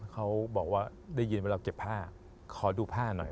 เขาบอกว่าได้ยินว่าเราเก็บผ้าขอดูผ้าหน่อย